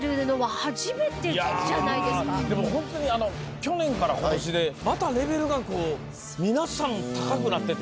でもホントに去年から今年でまたレベルが皆さん高くなってて。